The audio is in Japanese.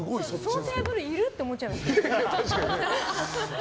このテーブルいる？って思っちゃいました。